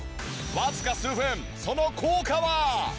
わずか数分その効果は？